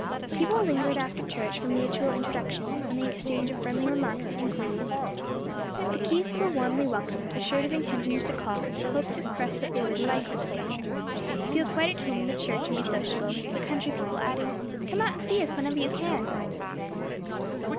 People lingered after church for mutual introductions and the exchange of friendly remarks and inquiries. The Keiths were warmly welcomed, assured of intentions to call, hopes expressed that they would "like the place," feel quite at home in the church and be sociable; the country people adding "Come out and see us whenever you can."